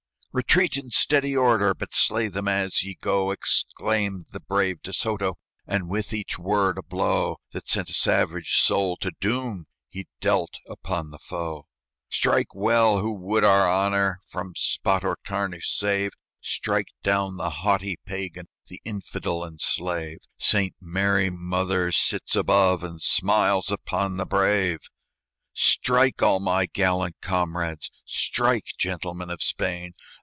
"Retreat in steady order! But slay them as ye go!" Exclaimed the brave De Soto, And with each word a blow That sent a savage soul to doom He dealt upon the foe. "Strike well who would our honor From spot or tarnish save! Strike down the haughty Pagan, The infidel and slave! Saint Mary Mother sits above, And smiles upon the brave. "Strike! all my gallant comrades! Strike! gentlemen of Spain!